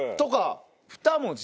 ２文字。